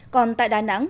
còn tại đà nẵng